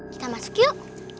kita masuk yuk